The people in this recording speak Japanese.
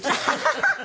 ハハハハ！